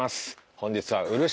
本日は「漆」。